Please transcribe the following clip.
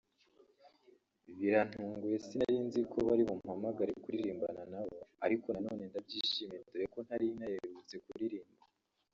”Birantunguye sinari nzi ko bari bumpamagare kuririmbana nabo ariko na none ndabyishimiye dore ko ntari naherutse kuririmba”